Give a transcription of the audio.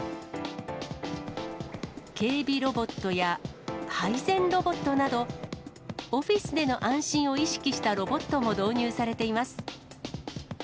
警備ロボットや配膳ロボットなど、オフィスでの安心を意識したロボットも導入されています。